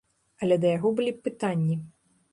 Але да яго былі б пытанні.